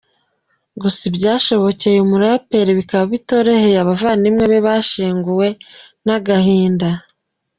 gusa ibyashobokeye uyu muraperi bikaba bitoroheye abavandimwe be bashenguwe nagahinda.